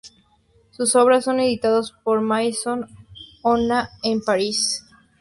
Sus obras son editadas por Maison Ona en París.